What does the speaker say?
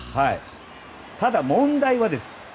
ただ、問題はです。